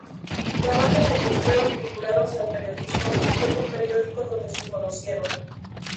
Trabajan en empleos vinculados al periodismo y fue en un periódico donde se conocieron.